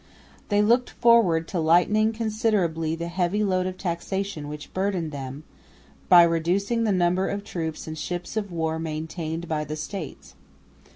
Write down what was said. They looked forward to lightening considerably the heavy load of taxation which burdened them, by reducing the number of troops and of ships of war maintained by the States.